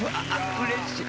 うれしい。